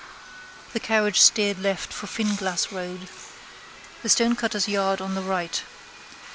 The carriage steered left for Finglas road. The stonecutter's yard on the right.